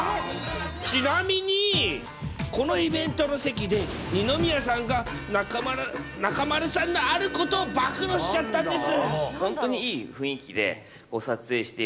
ちなみに、このイベントの席で、二宮さんが、中丸さんのあることを暴露しちゃったんです。